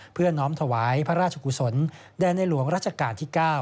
น้อมถวายพระราชกุศลแด่ในหลวงรัชกาลที่๙